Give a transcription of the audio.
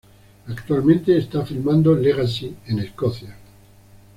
Actualmente, está filmando "Legacy" en Escocia.